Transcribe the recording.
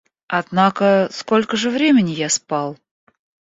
Однако, сколько же времени я спал?